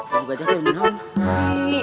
ilmu gajah ada di mana